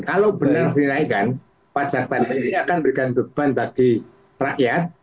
kalau benar ini naikkan pajak tadi ini akan memberikan beban bagi rakyat